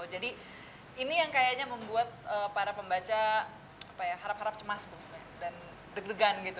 jadi ini yang kayaknya membuat para pembaca harap harap cemas dan deg degan gitu